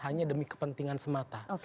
hanya demi kepentingan semata